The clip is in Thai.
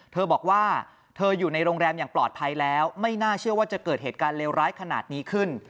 เธอบอกว่าเธออยู่ในโรงแรมอย่างปลอดภัยแล้วไม่น่าเชื่อว่าจะเกิดเหตุการณ์เลวร้ายขนาดนี้ขึ้น